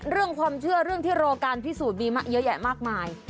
เรื่องความเชื่อเรื่องที่รอการพิสูจน์มีเยอะแยะมากมาย